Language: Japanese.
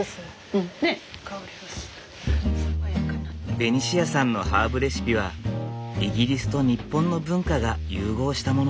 ベニシアさんのハーブレシピはイギリスと日本の文化が融合したもの。